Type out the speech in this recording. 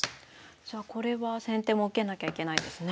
じゃあこれは先手も受けなきゃいけないですね。